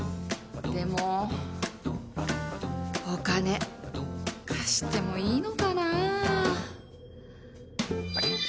でも、お金貸してもいいのかな？